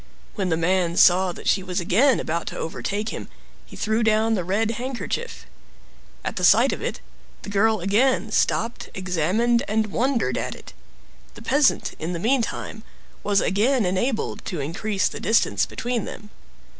When the man saw that she was again about to overtake him, he threw down the red handkerchief. At the sight of it, the girl again stopped, examined, and wondered at it; the peasant, in the meantime, was again enabled to increase the distance between them.